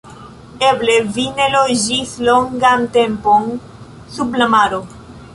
Eble vi ne loĝis longan tempon sub la maro.